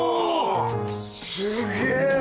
すげえ！